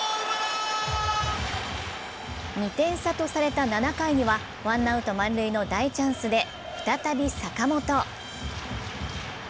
２点差とされた７回には、ワンアウト満塁の大チャンスで再び坂本。